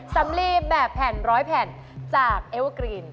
สำลีแบบแผ่นร้อยแผ่นจากเอเวอร์กรีน